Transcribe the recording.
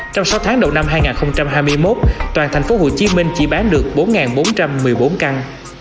trong sáu tháng đầu năm hai nghìn hai mươi một toàn tp hcm chỉ bán được bốn bốn trăm một mươi bốn căn